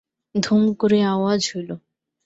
ধুম করিয়া আওয়াজ হইল।